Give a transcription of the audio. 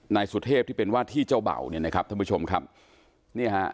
นายสุเทพที่เป็นว่าที่เจ้าเบ่าเนี่ยนะครับท่านผู้ชมครับเนี่ยฮะ